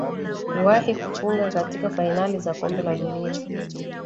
kuwahi kufunga katika fainali za kombe la dunia